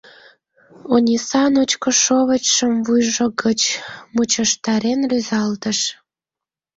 Ониса ночко шовычшым вуйжо гыч мучыштарен рӱзалтыш.